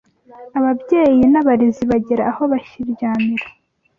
Ababyeyi n’abarezi bagera aho bakiryamira,